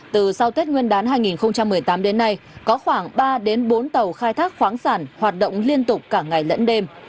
từ sau tết nguyên đán hai nghìn một mươi tám đến nay có khoảng ba bốn tàu khai thác khoáng sản hoạt động liên tục cả ngày lẫn đêm